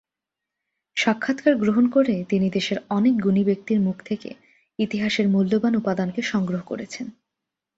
সাক্ষাৎকার গ্রহণ করে তিনি দেশের অনেক গুণী ব্যক্তির মুখ থেকে ইতিহাসের মূল্যবান উপাদানকে সংগ্রহ করেছেন।